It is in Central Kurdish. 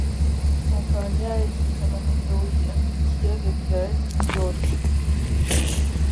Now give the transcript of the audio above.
کۆمپانیایەکی هەمەنەتەوەیی ئەمریکییە لە ویلایەتی نیویۆرک